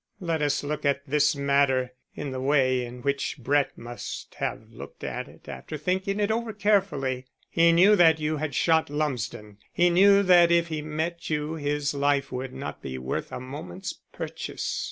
Let us look at this matter in the way in which Brett must have looked at it after thinking it over carefully. He knew that you had shot Lumsden; he knew that if he met you his life would not be worth a moment's purchase.